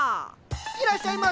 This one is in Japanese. いらっしゃいませ。